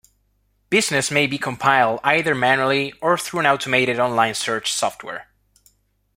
Business may be compiled either manually or through an automated online search software.